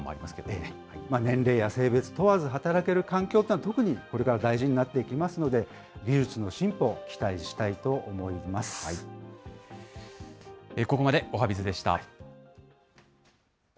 年齢や性別問わず働ける環境というのは特にこれから大事になっていきますので、技術の進歩をここまでおはＢｉｚでした。